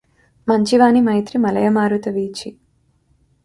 మంచి వాని మైత్రి మలయమారుత వీచి